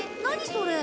それ。